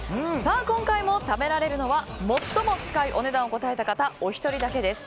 今回も食べられるのは最も近いお値段を答えた方お一人だけです。